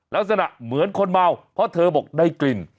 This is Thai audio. ลักษณะเหมือนคนเมาเพราะเธอบอกได้กลิ่น